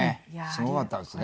すごかったですね。